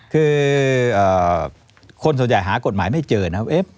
คือคนส่วนใหญ่หากฎหมายไม่เจอนะครับ